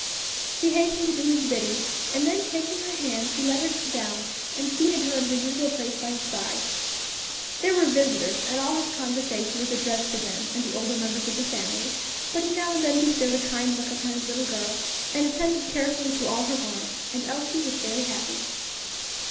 She hastened to do his bidding, and then taking her hand he led her down and seated her in her usual place by his side. There were visitors, and all his conversation was addressed to them and the older members of the family, but he now and then bestowed a kind look upon his little girl, and attended carefully to all her wants; and Elsie was very happy.